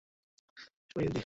এরা সবাই ইহুদী।